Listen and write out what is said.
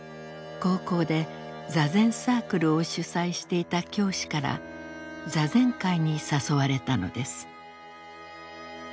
高校で坐禅サークルを主宰していた教師から坐禅会に誘われたのです。